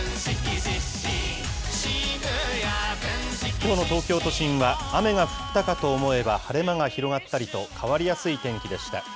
きょうの東京都心は、雨が降ったかと思えば、晴れ間が広がったりと、変わりやすい天気でした。